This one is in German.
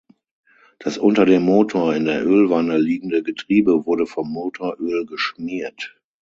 Das unter dem Motor in der Ölwanne liegende Getriebe wurde vom Motoröl geschmiert.